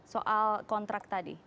soal kontrak tadi